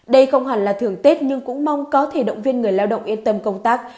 đây không hẳn là thưởng tết nhưng cũng mong có thể động viên người lao động yên tâm công tác